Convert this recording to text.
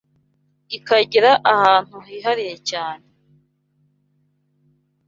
ikagira ahantu hihariye cyane.